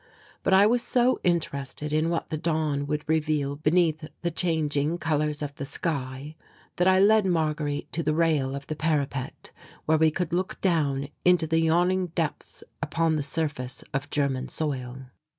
But I was so interested in what the dawn would reveal beneath the changing colours of the sky, that I led Marguerite to the rail of the parapet where we could look down into the yawning depths upon the surface of German soil.